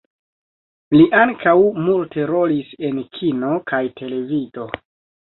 Li ankaŭ multe rolis en kino kaj televido.